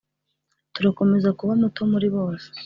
turakomeza kuba muto muri bose